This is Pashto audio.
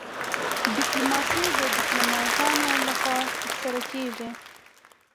ډیپلوماسي د ډیپلوماتانو لخوا ترسره کیږي